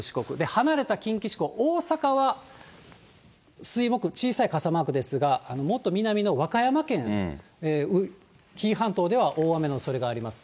離れた近畿地方、大阪は水、木、小さい傘マークですが、もっと南の和歌山県、紀伊半島では大雨のおそれがあります。